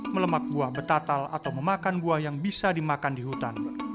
melemak buah betatal atau memakan buah yang bisa dimakan di hutan